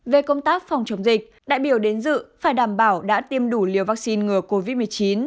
về công tác phòng chống dịch đại biểu đến dự phải đảm bảo đã tiêm đủ liều vaccine ngừa covid một mươi chín